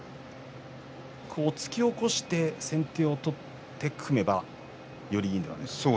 突き起こして先手を取って組めばよりいいのではないかと。